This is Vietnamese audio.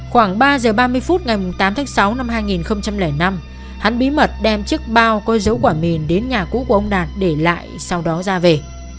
khoảng ba giờ ba mươi phút ngày tám tháng sáu năm hai nghìn năm hắn bí mật đem chiếc bao có dấu quả mìn đến nhà cũ của ông đạt để lại sau đó ra về